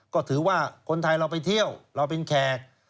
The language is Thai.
ก็ถือว่าคนไทยเราไปเที่ยวเราเป็นแขก